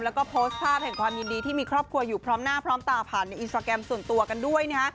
แล้วก็โพสต์ภาพแห่งความยินดีที่มีครอบครัวอยู่พร้อมหน้าพร้อมตาผ่านในอินสตราแกรมส่วนตัวกันด้วยนะฮะ